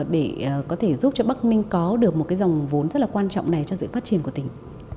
để có thể giúp cho bắc ninh có được một dòng vốn rất quan trọng này cho dự phát triển của tỉnh